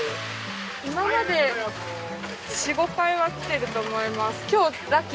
今まで４５回は来てると思います。